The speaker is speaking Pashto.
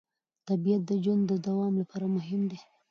طبیعت د ژوند د دوام لپاره مهم دی